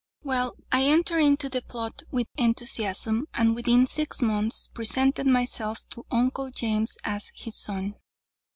"'Well, I entered into the plot with enthusiasm, and within six months presented myself to Uncle James as his son.